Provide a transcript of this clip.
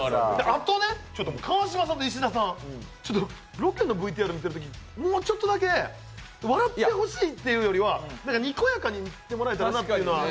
あと、川島さんと石田さん、ロケのＶＴＲを見ているときもうちょっとだけ笑ってほしいというよりも、にこやかにしてもらえたらなっていうのは。